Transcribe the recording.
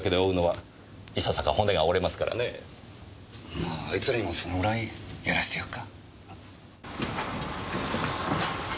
まああいつらにもそのぐらいやらしてやるか。